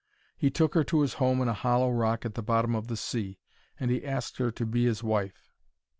He took her to his home in a hollow rock at the bottom of the sea, and he asked her to be his wife.